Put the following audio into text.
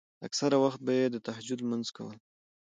اکثره وخت به يې د تهجد لمونځونه کول.